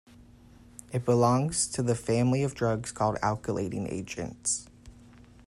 It belongs to the family of drugs called alkylating agents.